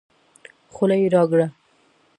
خوله يې راګړه